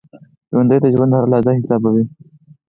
ژوندي د ژوند هره لحظه حسابوي